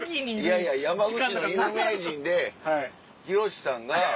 いやいや山口の有名人で博さんが。